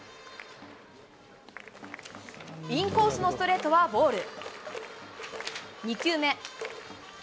インコースのストレートはボール。